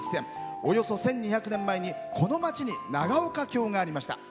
およそ１２００年前に、この町に長岡京がありました。